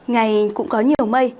ngày cũng có nhiều mây